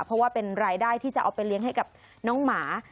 เพราะว่าเป็นรายได้ที่จะเอาไปเลี้ยงให้กับน้องหมา